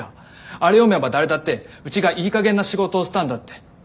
あれ読めば誰だってうちがいいかげんな仕事をしたんだって思いますよ。